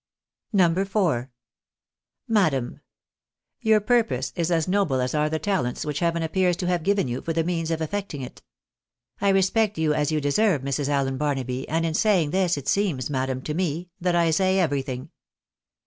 No. IV " Madam, — Your purpose is as noble as are the talents wliich heaven appears to have given you for the means of effecting it. I respect you as you deserve, Mrs. Allen Barnaby, and in saying this it seems, madam, to me, that I say everything.